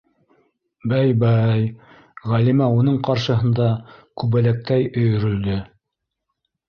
Бәй, бәй, - Ғәлимә уның ҡаршыһында күбәләктәй өйөрөлдө.